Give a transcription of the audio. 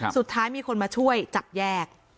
สุดท้ายมีคนมาช่วยจับแยก